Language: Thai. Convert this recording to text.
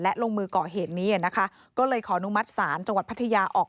และลงมือก่อเหตุนี้นะคะก็เลยขออนุมัติศาลจังหวัดพัทยาออก